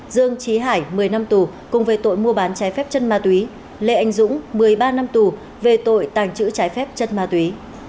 dương trí hải một mươi năm tù cùng về tội mua bán trái phép chân ma túy lê anh dũng một mươi ba năm tù về tội tàng trữ trái phép chất ma túy